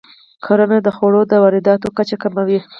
کرنه د خوړو د وارداتو کچه کموي.